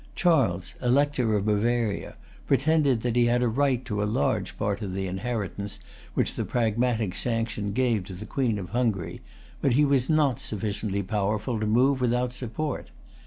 Charles, Elector of Bavaria, pretended that he had a right to a large part of the inheritance which the Pragmatic Sanction gave to the Queen of Hungary; but he was not sufficiently powerful to move without support.